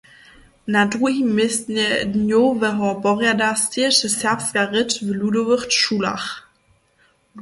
Na druhim městnje dnjoweho porjada steješe serbska rěč w ludowych šulach.